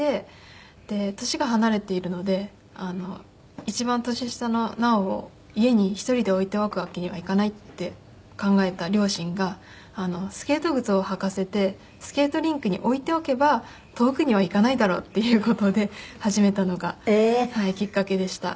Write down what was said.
年が離れているので一番年下の奈緒を家に１人で置いておくわけにはいかないって考えた両親がスケート靴を履かせてスケートリンクに置いておけば遠くには行かないだろうっていう事で始めたのがきっかけでした。